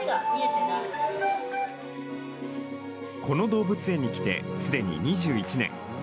この動物園に来て、すでに２１年。